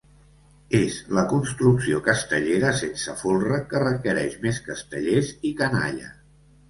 És la construcció castellera sense folre que requereix més castellers i canalla.